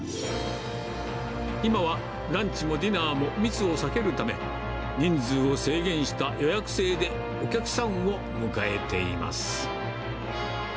今はランチもディナーも、密を避けるため、人数を制限した予約制で、お客さんを迎えています。